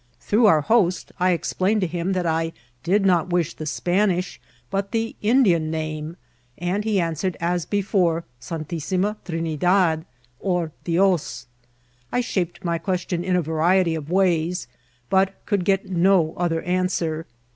Through our host I explained to him that I did not vntk the Spanish, but the Indian name, and he answered as before, Santissima Trinidad, or Dios. I shaped my question in a variety of ways, but could get no other answer.